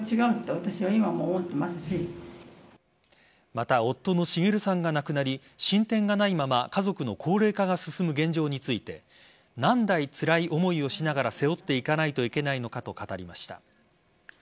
また、夫の滋さんが亡くなり進展がないまま家族の高齢化が進む現状について何代つらい思いをしながら背負っていかないといけないのかと語りました。